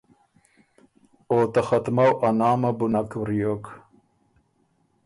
او ته ختُمکؤ ا نامه بُو نک وریوک۔